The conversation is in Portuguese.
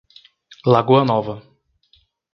Lagoa Nova